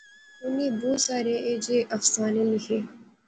اُنی بہوں سارے ایہہ جئے افسانے لیخے